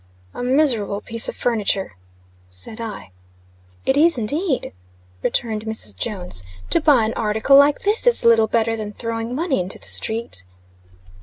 "A miserable piece of furniture!" said I. "It is, indeed," returned Mrs. Jones. "To buy an article like this, is little better than throwing money into the street."